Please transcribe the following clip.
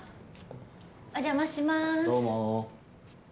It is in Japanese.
お邪魔します。